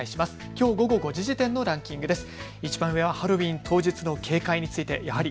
きょう午後５時時点のランキングです。